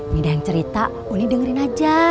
mida yang cerita uli dengerin aja